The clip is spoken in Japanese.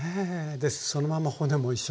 でそのまま骨も一緒に？